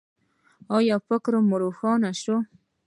ایا فکر مو روښانه شو؟